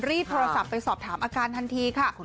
รีบโทรศัพท์ไปสอบถามอาการทันทีค่ะ